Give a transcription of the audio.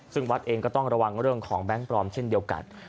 ซึ่งวัดเองก็ต้องระวังเรื่องของแบงค์ปลอมเช่นเดียวกัน